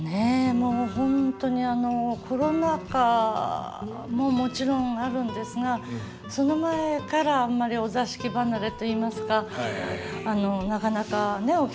もう本当にコロナ禍ももちろんあるんですがその前からお座敷離れといいますかなかなかねえお客様が。